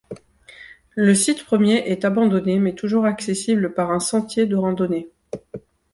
Le site premier est abandonné mais toujours accessible par un sentier de randonnée.